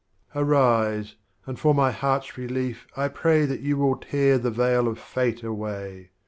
Arise, and for my Heart's Relief I pray Tliatyou will tear the Veil of Fate away.